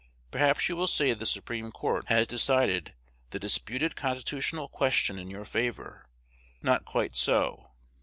Perhaps you will say the Supreme Court has decided the disputed constitutional question in your favor. Not quite so.